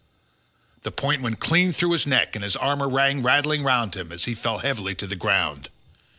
The point went clean through his neck, and his armour rang rattling round him as he fell heavily to the ground.